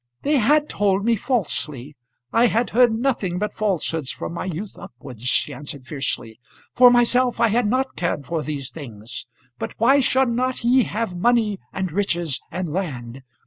"They had told me falsely. I had heard nothing but falsehoods from my youth upwards," she answered fiercely. "For myself I had not cared for these things; but why should not he have money and riches and land?